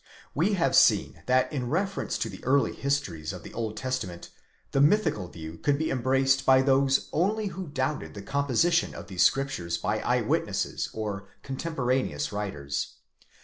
We have seen that in reference to the early histories of the Old Testament, the mythical view could be embraced by those only who doubted the com position of these Scriptures by eye witnesses or contemporaneous writers.